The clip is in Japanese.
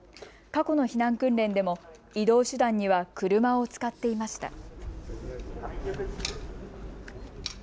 過去の避難訓練でも移動手段には車を使っていました。